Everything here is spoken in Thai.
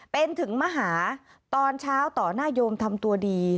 เป็นถึงมหาตอนเช้าต่อหน้าโยมทำตัวดี